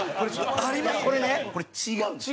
これ違うんですよ。